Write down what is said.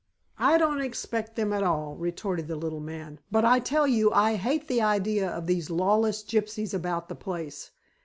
"I don't expect them at all," retorted the little man. "But I tell you I hate the idea of these lawless gypsies about the place.